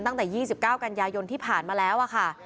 ตั้งแต่๒๙กันยายนที่ผ่านมาแล้วค่ะ